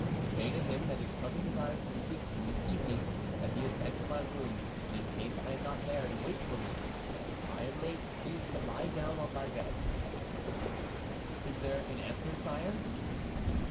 Say to him that his cousin desires to speak to him this evening; that he is to enter my room, and, in case I am not there, to wait for me. If I am late, he is to lie down on my bed." "Is there an answer, sire?"